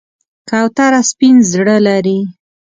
کوتره سپین زړه لري.